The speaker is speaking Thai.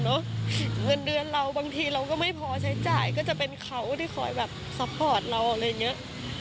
เงินเดือนเราบางทีเราก็ไม่พอใช้จ่ายก็จะเป็นเขาที่คอยแบบซัพพอร์ตเราอะไรอย่างนี้